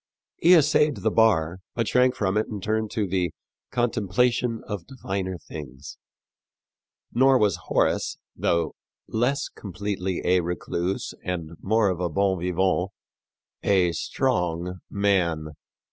He essayed the bar, but shrank from it and turned to the "contemplation of diviner things." Nor was Horace, though less completely a recluse and more of a bon vivant, a strong man.